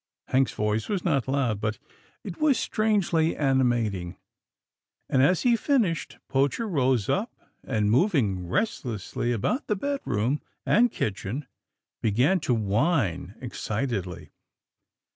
" Hank's voice was not loud, but it was strangely animating, and, as he finished. Poacher rose up,, and moving restlessly about the bed room and kitchen, began to whine excitedly.